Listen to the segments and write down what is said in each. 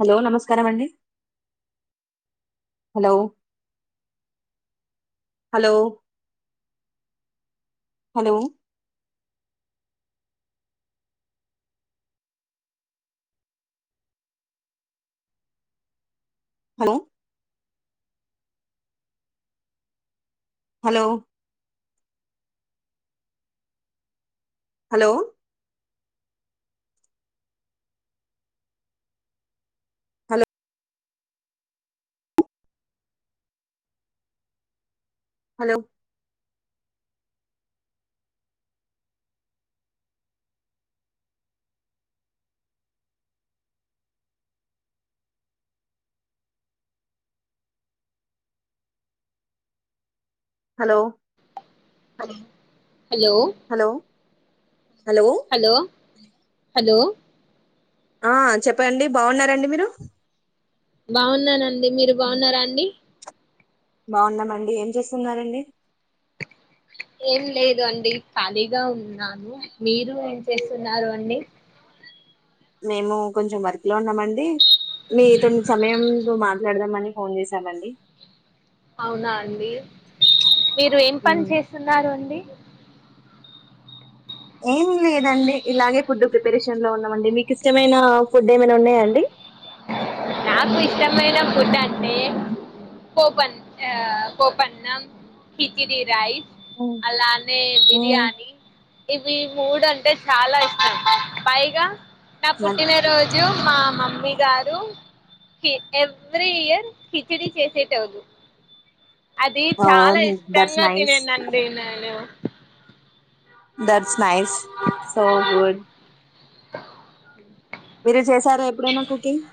Hello నమస్కారం అండి hello hello hello hello hello hello hello hello hello hello hello hello hello hello ఆ చెప్పండి బాగున్నారండి మీరు బాగున్నానండి మీరు బాగున్నారా అండి. బాగున్నామండి ఏం చేస్తున్నారండి. ఏం లేదు అండి ఖాళీగా ఉన్నాను మీరు ఏం చేస్తున్నారు అండి. మేము కొంచెం వర్క్ లో ఉన్నామండి. మీతోని సమయంతో మాట్లాడదామని. ఫోన్ చేసామండి. అవునా ఆండీ, మీరు ఎంపనీ చేస్తున్నారు అండి. ఏమి లేదండి ఇలాగే ఫుడ్డు ప్రిపే పరేషన్ లో ఉన్నామండి మీకు ఇష్టమైన ఫుడ్ ఏమైనా ఉన్నాయా అండి. నాకు ఇష్టమైన ఫుడ్ అంటే పోపన్ ఆ పోపన్నం, కిచిడి రైస్ అలా నే బిర్యానీ. ఇవి మూడంటే చాలా ఇష్టం పైగా నా పుట్టిన రోజు మా మమ్మీ గారు కి ఎవ్రీ ఇయర్ కిచిడి చేసేటోల్లు. అది చాలా దట్స్ ఇష్టంగా నైస్ తినేనండి నేను. దట్స్ నైస్ సో గుడ్ మీరు చేశారా ఎప్పుడైనా కుకింగ్.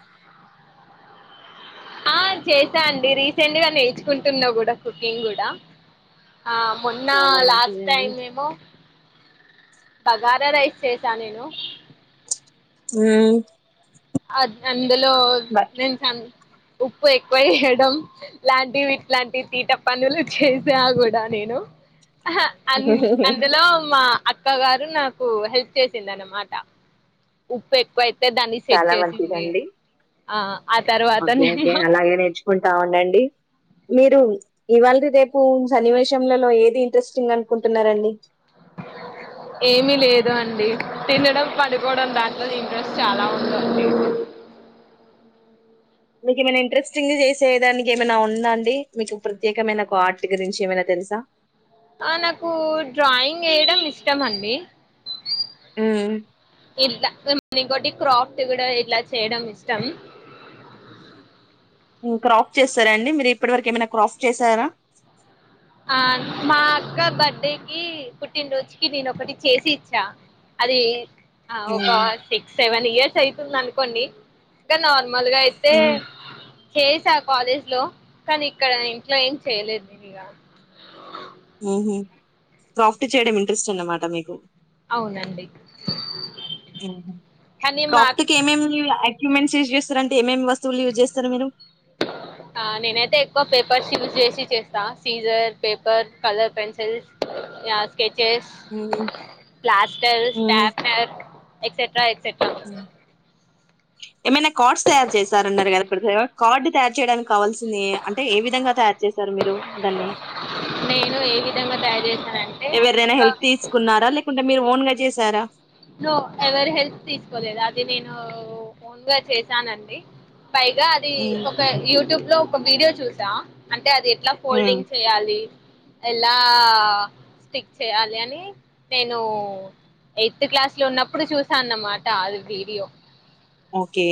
ఆ చేసా ఆండీ రీసెంట్ గా నేర్చుకుంటున్నా కూడా కుకింగ్ కూడా. ఆ మొన్న చాలా లాస్ట్ మంచిదండి టైం ఏమో బగారా రైస్ చేసా నేను. అ అ అందులో నేను చ ఉప్పు ఎక్కువ యేయడం లాంటి ఇట్లాంటి తీట పనులు చేసా కూడా నేను. ఆహా అం అందులో మా అక్కగారు నాకు హెల్ప్ చేసిందనమాట ఉప్పు ఎక్కువైతే దాన్ని సె చాలా మంచిదండీ. ఆ ఆ తర్వాత ఓకే ఓకే నేను అలాగే నేర్చు కుంటా ఉండండి మీరు ఇవాళది, రేపు సన్నివేశంలలో ఏది ఇంట్రెస్టింగ్ అనుకుంటున్నరండి. ఏమి లేదు అండి తినడం పడుకోవడం దాంట్లో ఇంట్రెస్ట్ చాలా ఉందండి. మీకు ఏమైనా ఇంట్రెస్టింగ్ చేసే దానికి ఏమైనా ఉందా అండి మీకు ప్రత్యేకమైన ఒక ఆర్ట్ గురించి ఏమైనా తెలుసా. ఆ నాకు డ్రాయింగ్ ఎయడం ఇష్టం అండి. మ్మ్ ఇ ద అండ్ ఇంకోటి క్రాఫ్ట్ కూడా ఇట్లా చేయడం ఇష్టం. క్రాప్ట్ చేస్తార అండి మీరు ఇప్పటి వరకు ఏమైనా క్రాప్ట్ చేసారా. ఆ మా అక్క బర్డెకి పుట్టినరోజుకి నేను ఒకటి చేసి ఇచ్చా అది ఆ ఒక మ్మ్ సిక్స్ సెవెన్ ఇయర్స్ అయితుందన్ కొండి తనోన్ మూలుగా అయితే మ్మ్. చేసా కాలేజ్ లో కానీ ఇక్కడ ఇంట్లో ఏం చేయలేదు నేను ఇగా మ్ హు ప్రోఫ్ట్ చేయడం స్ట్ అన్నమాట మీకు అవునండి మ్మ్ హు కానీ మా అక్క క్రాక్ట్ ఏం ఏం ఎక్యుమెంట్స్ చూస్ చేస్తారంటే ఏమేమి వస్తువులు యూస్ చేస్తారు మీరు ఆ నేనైతే ఎక్కువ పేపర్స్ యూజ్ చేసి చేస్తా scissor paper colour pencils as sketches మ్మ్. ప్లాస్టర్స్ మ్మ్. స్టాప్నేర్ ఎక్సెట్రా ఎక్సెట్ ఏమైనా కార్డ్స్ తయారు చేశారన్నారు కదా ఇప్పుడు [inaudible] కార్డు తయారు చేయడానికి కావాల్సి ఉంది అంటే ఏ విధంగా తయారు చేసారు మీరు దాన్ని నేను ఏ విధంగా తయారు చేశానంటే ఎవరైనా ఒక హెల్ప్ తీసుకున్నారా లేకుంటే మీరు ఓన్గ చేసారా నో ఎవరి హెల్ప్ తీసుకోలేదు అది నేను ఓన్గా చేశానండి పైగా అదీ మ్మ్. ఒక యూట్యూబ్‌లో ఒక వీడియో చూసా అంటే అది ఎట్లా మ్మ్. ఫోల్డింగ్ చేయాలి ఎలా స్టిక్ చేయాలనీ నేను ఏ త్ క్లాస్ లో ఉన్నప్పుడు చూసాన్నమాట అది వీడియో ఓకే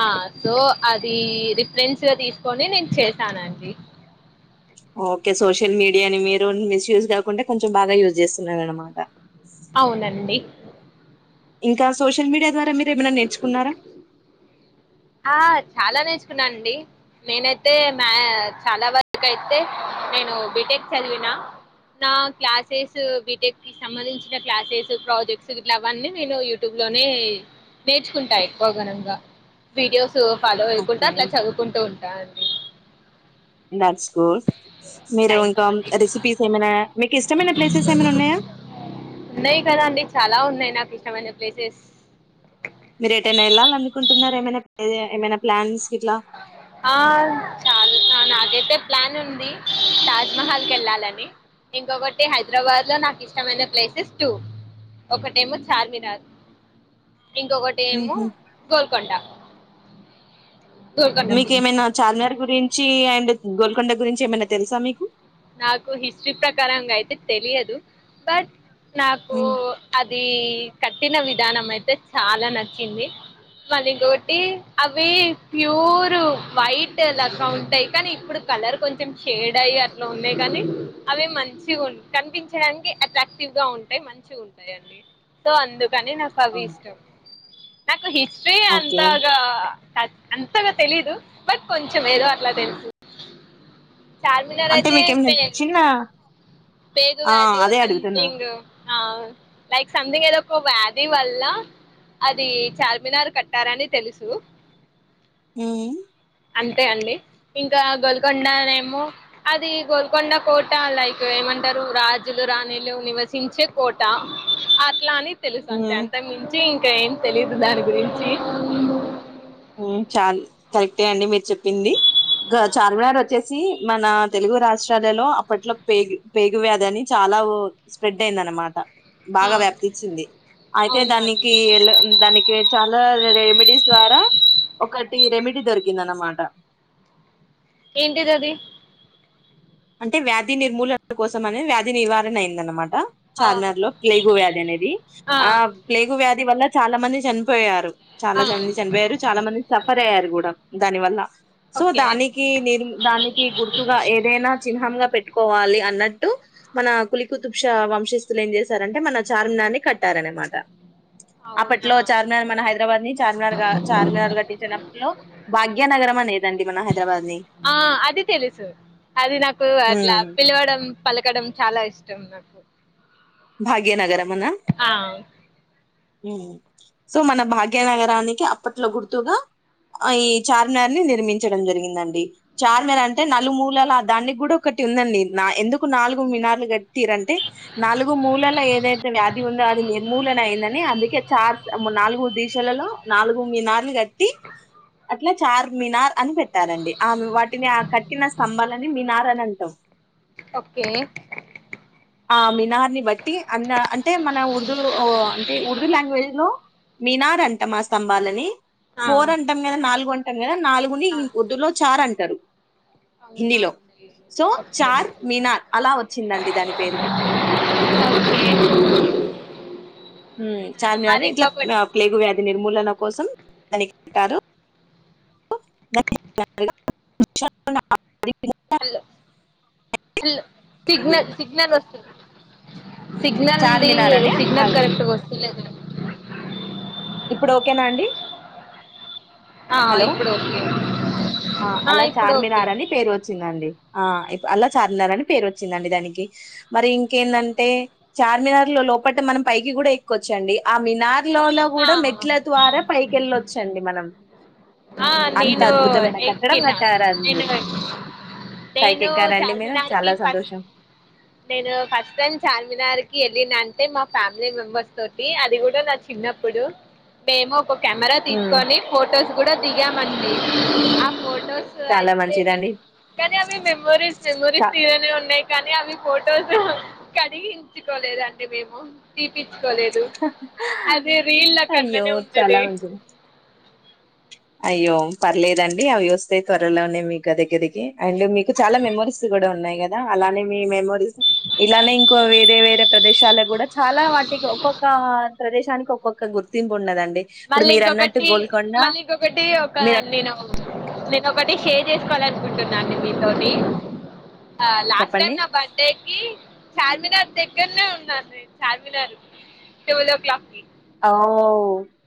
ఆ సో అది రిఫరెన్స్ గా తీసుకొని నేను చేశానండి ఓకే సోషల్ మీడియాని మీరు మిస్యూస్ కాకుండ కొంచెం బాగా యూజ్ చేస్తున్నారన్నమాట అవునండి ఇంకా సోషల్ మీడియా ద్వారా మీరేమన్న నేర్చుకున్నారా ఆ చాలా నేర్చుకున్నండి నేనైతే మా చాలా వరకు అయితే నేను బీటెక్ చదివిన నా క్లాసెస్ బీటెక్ కి సంబంధించిన క్లాసెస్ ప్రాజెక్ట్స్ ఇట్లా అవన్నీ నేను యూట్యూబ్ లోనే నేర్చుకుంటా ఎక్కువగనంగా వీడియోస్ సు ఫాలో అయికుంటా ఓకే అట్లా చదువుకుంటూ ఉంటా నాచ్ గోట్ మీరు థ్యాంక్ ఇంకా యూ అండి రెసిపీస్ ఏమన మీకు ఇష్టమైన ప్లేసెస్ ఏమైనా ఉన్నాయా ఉన్నాయి కదా అండి చాలా ఉన్నాయి నాకు ఇష్టమైన ప్లేసెస్ మీరు ఎటైనా వెళ్ళాలి అనుకుంటున్నర ఏమైనా ఏ ఏమైనా ప్లాన్స్ ఇట్లా ఆ చాలు ఆ నాదైతే ప్లాన్ ఉంది తాజ్‌మహల్‌కెళ్లాలని ఇంకొకటి హైదరాబాద్లో నాక్ ఇష్టమైన ప్లేసెస్ టూ ఒకటేమో చార్మినార్ ఇంకొకటి ఏమొ మ్మ్హ్మ్. గోల్కొండా మీకేమైనా చార్మీనార్ గురించి అండ్ గోల్కొండ గురించి ఏమైన్నా తెలుసా మీకు నాకు హిస్టరీ ప్రకారం అయితే తెలియదు బట్ నాకు మ్మ్. అది కట్టిన విదా విధానం అయితే చాలా నచ్చింది మళ్ళీ ఇంకొటి అవి ప్యూర్ వైట్ లాగా ఉంటాయి కానీ ఇప్పుడు కలర్ కొంచెం షేడ్ అయ్యి ఉన్నాయి కానీ అవి మంచి కనిపించడానికి అట్రాక్టివ్ గా ఉంటాయి మంచిగా ఉంటాయండి సో అందుకు కానీ నాకు అవి అవును. ఇష్టం నాకు హిస్ట్రీ ఓకే అంతాగా అంతగా తెలీదు బట్ కొంచెం ఏదో అట్లా తెలుసు చార్మీనార్ కే చినా పేగు వ్యాధో సంథింగ్ ఆ లైక్ సంథింగ్ ఏదో ఒక వ్యాధి వల్ల అది చార్మినార్ కట్టారని తెలుసు ఉం అంతే అండి ఇంకా గోల్కొండనే ఏమో అది గోల్కొండ కోట లైక్ ఏమంట రాజులు రాణిలు నివసించే కోట అట్లాని తెలుసు అంతే మ్మ్. అంత మించిం కా ఏం తెలీదు దాని గురించి చాల కరెక్టే అండి మీరు చెప్పింది చార్మినార్ వచ్చేసి మన తెలుగు రాష్ట్రాలలో అప్పట్లో పేగు పేగు వ్యాధిని చాలా స్ప్రెడ్ అయింద అనమాట ఆ బాగా వ్యాప్తిచ్చింది అయితే అవునా దానికి అండి ఎ దానికి చాలా రెమెడీస్ ద్వారా ఒకటి రెమెడీ దొరికింద అన్నమాట ఏంటిది అది అంటే వ్యాధి నిర్మూలన కోసం అనేది వ్యాధి నివారణ అయింద అనమాట ఆ చార్మినార్ లో ప్లేగు వ్యాధి అనేది ఆ ప్లేగు వ్యాధి వల్ల చాలా మంది చనిపోయారు చాలా ఆ చని చనిపోయారు చాలా మంది సఫర్ అయ్యారు కూడా దాని వల్ల సో ఓకే దానికి నిర్ దానికి గుర్తుగా ఏదైనా పెట్టుకోవాలి అన్నట్టు మన కులి కుతుప్ష వంశస్తులు ఏం చేశారంటే మన చార్మినార్ని కట్టారనమాట అప్పట్లో అవునా చార్మినార్ మన హైదరాబాద్ ని చార్మినార్ చార్మినార్ కట్టించినప్పట్లో భాగ్యనగరం అనేదండి మన హై ఆ అది తెలుసు అది నాకు అట్లా ఉమ్, పిలవడం పలకడం చాలా ఇష్టం నాకు భాగ్యనగరమునా ఆ సో మన భాగ్యనగరానికి అప్పట్లో గుర్తుగా ఈ చార్మినార్ని నిర్మించడం జరిగిందండి చారమ్నర్ అంటే నలుమూలలు దానికి కూడా ఒక్కటి ఉందండి ఎందుకు నాలుగు మినార్లు కట్టిరంటే నాలుగు మూలలో ఏదైతే వ్యాధి ఉందో అది నిర్మూలన అయిందని అందుకే చార్ నాలుగు దీశలలో నాలుగు మినార్ని కట్టి అట్లా చార్ మినార్ అని పెట్టారండి ఆమె వాటిని ఆ కట్టిన స్తంభాలని మినార్ అని అంటాం ఓకే ఆ మీనార్ ని కా బట్టి అన్న అంటే మన ఉర్దూలు అంటే ఉర్దూ లాంగ్వేజ్ లో మినార్ అంటాం స్తంభాలని ఆ ఫోర్ అంటమ్గా అ నాలుగుంట కదా నాలుగుని ఆ ఇ ఉర్దూలో చార్ అంటారు అవునా హిందీలో. సో, అ చార్ మినార్ అలా వచ్చిందండి దాని పేరు. ఓకే చార్మినార్ మరి ఇట్లా ఇంకొకటి ప్లేగు వ్యాధి నిర్మూలన కోసం దని అంటారు [inaudible] హలో హలో సిగ్నల్ సిగ్నల్ వస్తు సిగ్నల్డి చార్మినార్ అని సిగ్నల్ ఆళ్ళు. కరెక్ట్ గా వస్తలే ఇప్పుడు ఓకేనా అండి ఆ హలో! ఇప్పుడు ఓకే ఆ అలా ఇప్పుడు ఓకే చార్మినార్ అని పేరు వచ్చిందండి ఆ అలా చార్మినార్ అని పేరు వచ్చిందండి దానికి మరి ఇంకేంటంటే చార్మినార్ లో లోపట మనం పైకి కూడా ఎక్క్కవచ్చండి ఆ మినార్ లో వెళ్ళొచ్చండి మనం ఆ అంత నేను అద్భుతమైన కట్టడం ఎక్కినా కట్టారు నేను అందరు పైకి నేను ఎక్కారండి మీరు చార్మినార్కి చాలా ఫస్ట్ సంతోషం నేను ఫస్ట్ టైం చార్మినార్కి ఏళ్ళిన అంటే‌ మా ఫ్యామిలీ మెంబర్స్ తోటి అది కూడా నచ్చ చిన్నప్పుడు మేము కెమెరా ఉమ్, తీసుకొని ఫోటోస్ కూడా దిగాం పంది ఆపో ఫొటోస్ చాలా అయితే మంచిదండి కానీ అవి మెమోరీస్ చ మెమోరీస్ తీగానీ ఉన్నాయి కానీ అవి ఫొటోస్ కడిగించుకోలేదండి మేము తీపి తీసుకోలేదు అదే రీల్ అయ్యో అట్లనే ఉంటది చాలా మంచిది అయ్యో పర్లేదండి అవి వస్తేయి త్వరలోనే మీ గ దగ్గరికి అండ్ మీకు చాలా మెమోరీస్ కూడా ఉన్నాయి కదా అలానే మీ మెమోరీస్ ఇలానే ఇంకో వేరే వేరే ప్రదేశానికి కూడా చాలా వాటికి ఒక్కొక్క ప్రదేశానికి ఒక్కొక్క గుర్తింపు ఉండదండి ఇప్పుడు మీరు అన్నట్టు గోల్కొండ ఒకటి ఒక మీరు నేనుక్క నేను ఒకటి షేర్ చేసుకోవాలి అనుకుంటున్నండి మీతోని ఆ లాస్ట్ టైమ్ చెప్పండి నా బర్త్డేకి చార్మినార్ దగ్గరనే ఉన్నాను నేను చార్మినార్ ట్వెల్వ్ ఓ క్లాక్ కి ఔ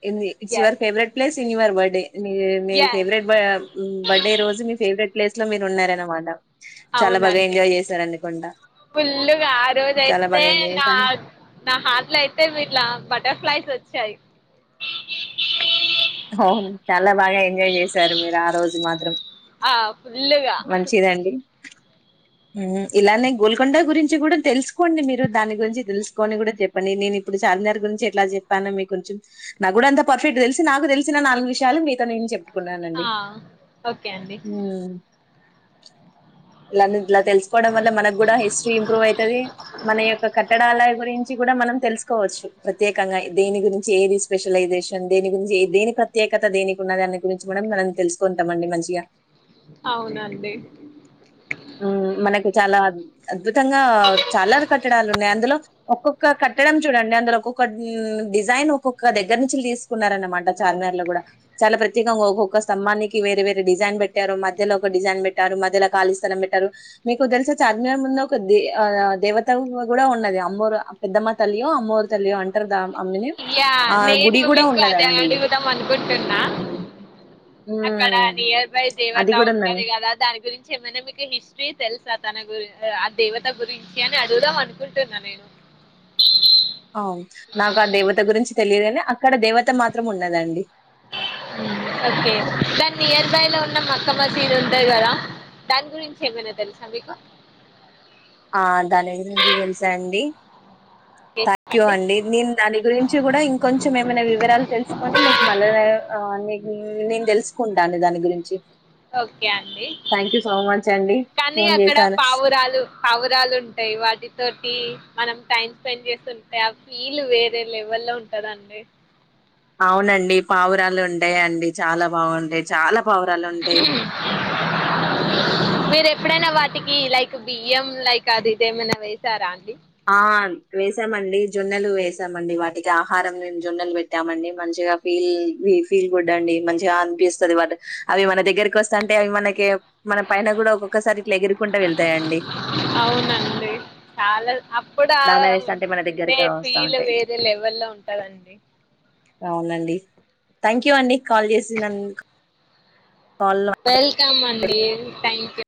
ఇంది it's is your favourite place in your birthday మీ మీ ఎస్ ఫేవరెట్ బ బర్త్డే రోజు మీ ఫేవరెట్ ప్లేస్ లో మీరు ఉన్నారన్నమాట అవునండి ఫుల్లుగా ఆ చాలా రోజయితే బాగా ఎంజాయ్ నా చేశాను నా హాట్లో అయితే వీట్ళ బటర్ఫ్లై వచ్చయి ఓ చాలా బాగా ఎంజాయ్ చేశారు మీరు ఆ రోజు మాత్రం ఆ ఫుల్లుగా మంచిదండి ఇలానే గోల్కొండ గురించి కూడా తెలుసుకోండి మీరు దాని గురించి తెలుసుకొని కూడా జెప్పండి నేను ఇప్పుడు చార్మినార్ గురించి ఎట్లా జెప్పాను మీ కొంచెం నాకు కూడా అంత పర్ఫెక్ట్ తెలిసి నాకు తెలిసిన నాలుగు విషయా మీతో నేను జె ఆ ఓకే అండి ఇలాంటి ఇల తెలుసుకోవడం వల్ల మనకు గూడ హిస్టరీ ఇంప్రూవ్ అయితది మన యొక్క కట్టడాలయ గురించి కూడా మనం తెలుసుకోవచ్చు ప్రత్యేకంగా దేని గురించి ఏది స్పెషలైజేషన్ దేని గురించి ఏ దేని ప్రత్యేకత దేనికున్న దాన్ని గురించి మ మనం తెలుసుకుంటాంమండి మంచిగా అవునండి హ్మ్. మనకు చాలా అద్భుతంగా చాల కట్టడాలు ఉన్నాయి అందులో ఒక్కొక్క కట్టడం చూడండి అందరు ఒక్కొక్క డిజైన్ ఒక్కొక్క దగ్గర నుంచి తీసుకున్నారనమాట చార్మార్ లో గూడా చాలా ప్రత్యేకంగా ఒక్కొక్క స్తంభానికి వేరే వేరే డిజైన్ పెట్టారు మధ్యలో ఒక డిజైన్ పెట్టారు మధ్యలో ఖళీ స్థలం పెట్టారు మీకు తెలుస చార్మినార్ ముందు ఒక దే దేవత కూడా ఉన్నది అమ్మరు పెద్దమ్మ తల్లియో అమ్మ రు తల్లియో అంటారు దా ఆమెని. య ఆ నేను్ గుడి గూడా మీకు అదే ఉన్నదండి. అడుగుదాం అనుకున్న కుంటున్నా అక్కడ హ్మ్. నియర్ బై అది దేవత గూడా ఉందండి. ఉంటది గదా దాని గురించి ఏమైనా మీకు హిస్టరీ తెలుసు తన గురించి ఆ దేవత గురించి అని అడుదాం అనుకుంటున్నా నేను అవు నాకు ఆ దేవత గురించి తెలియదునే అక్కడ దేవత మాత్రం ఉన్నదండి ఓకే దన్నియర్ బై లో ఉన్న మక్కా మసీద్ ఉంటది గదా దాని గురించి ఏమైనా తెలుసు స మీకు ఆ దాని గురించి తెలుస అండి ఓకే, థ్యాంక్ యు చెప్పండి అండి నేను దాని గురించి కూడా ఇంకొంచెం ఏమైనా వివరాలు తెలుసుకొని మీకు మళ్ళ నేను తెలుసుకుంటాను దాని గురించి చి ఓకే అండి మచ్ అండి కానీ ఫోన్ అక్కడ చేశాను పావురాలు పావు రాలుంటాయి వాటితోటి మనం టైమ్ స్పెండ్ చేస్తుంటాయి ఆ ఫీల్ వేరే లెవెల్ లో ఉంటందండి అవునండి పావురాలు ఉండేయండి చాలా బాగుంటాయి చాలా పావురాలు ఉంటాయి మీరే ఎప్పుడైనా వాటికి లైక్ బియ్యం లైక్ అది ఇదిేమైనా వసారా అండి ఆ వేసామండి జొన్నలు వేసామండి వాటికి ఆహారం నేను జొన్నలు పెట్టామండి మంచిగా ఫీల్ ఫీల్ గుడ్ అండి మంచిగా అనిపిస్తది వాటి అవి మన దగ్గరకి వస్తాంటే అవి మనకి మన పైన కూడా ఒక్కొక్కసారి ఇట్లా ఎగురుకుంటా వెళ్తాయండి దాన వేస్తంటే మన ప్పుే దగ్గరగా వస్తా ఫీల్ ఉంటాయి వేరే లెవెల్ లో ఉంటదండి అవునండి థ్యాంక్ యూ అండి కాల్ చేసినందు క్ వెల్కమ్ అంన్ డి థ్యాంక్ యూ